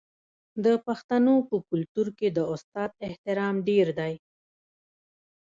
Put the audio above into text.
د پښتنو په کلتور کې د استاد احترام ډیر دی.